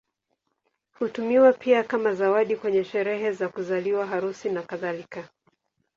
Hutumiwa pia kama zawadi kwenye sherehe za kuzaliwa, harusi, nakadhalika.